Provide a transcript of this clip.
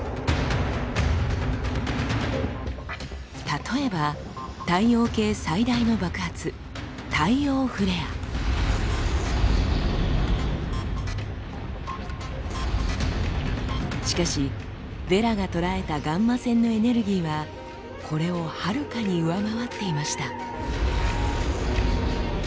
例えば太陽系最大の爆発しかしヴェラが捉えたガンマ線のエネルギーはこれをはるかに上回っていました。